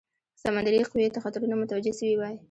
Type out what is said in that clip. سمندري قوې ته خطرونه متوجه سوي وای.